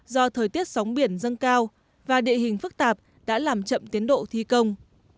do thời tiết sóng biển dâng cao và địa hình phức tạp đã làm chậm tiến độ thi công